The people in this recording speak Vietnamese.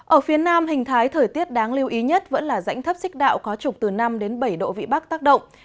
ở phía nam hình thái thời tiết đáng lưu ý nhất vẫn là rãnh thấp xích đạo có trục từ năm đến bảy độ vị bắc tác động